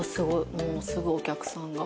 もうすぐお客さんが。